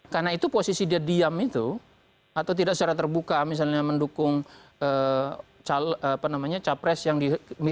karena itu posisi dia diam itu atau tidak secara terbuka misalnya mendukung capres yang di